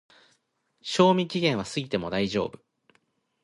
賞味期限は過ぎても大丈夫